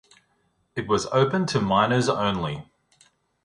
It was open to miners only.